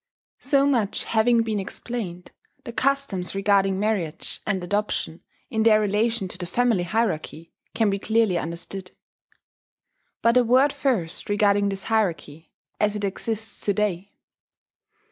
So much having been explained, the customs regarding marriage and adoption, in their relation to the family hierarchy, can be clearly understood. But a word first regarding this hierarchy, as it exists to day.